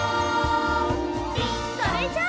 それじゃあ。